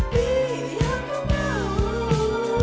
biar ku berpaling dahulu